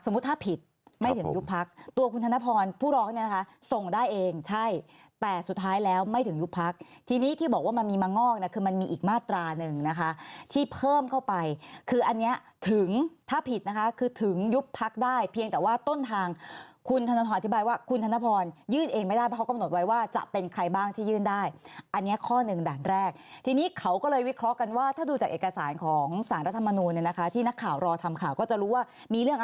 สมมุติถ้าผิดไม่ถึงยุบพักตัวคุณธนพรผู้ร้องนี้นะคะส่งได้เองใช่แต่สุดท้ายแล้วไม่ถึงยุบพักทีนี้ที่บอกว่ามันมีมางอกคือมันมีอีกมาตรานึงนะคะที่เพิ่มเข้าไปคืออันเนี้ยถึงถ้าผิดนะคะคือถึงยุบพักได้เพียงแต่ว่าต้นทางคุณธนทรอธิบายว่าคุณธนพรยื่นเองไม่ได้เพราะเขากำหนดไว้ว่าจะเป็นใ